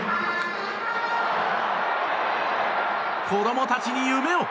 子供たちに夢を！